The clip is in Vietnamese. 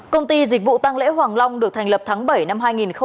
công ty dịch vụ tăng lễ hoàng long được thành lập tháng bảy năm hai nghìn một mươi bảy